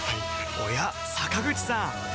おや坂口さん